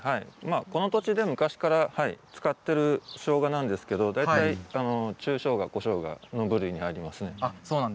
この土地で昔から使っているしょうがなんですけれども中しょうが小しょうがの部類に入ります。